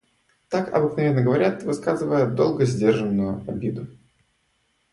Так обыкновенно говорят, высказывая долго сдержанную обиду.